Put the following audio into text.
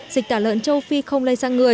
dịch tả lợn châu phi không lây sang người